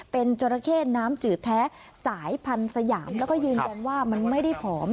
เป็นจราเข้น้ำจืดแท้สายพันธุ์สยามแล้วก็ยืนยันว่ามันไม่ได้ผอม